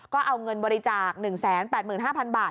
ก็เอาเงินบริจาค๑๘๕๐๐บาท